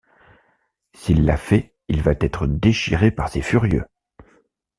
S’il l’a fait, il va être déchiré par ces furieux!